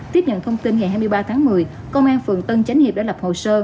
tiếp nhận thông tin ngày hai mươi ba tháng một mươi công an phường tân chánh hiệp đã lập hồ sơ